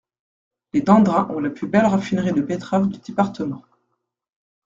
Les Dandrin ont la plus belle raffinerie de betteraves du département.